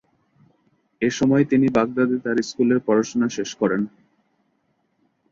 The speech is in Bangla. এসময় তিনি বাগদাদে তার স্কুলের পড়াশোনা শেষ করেন।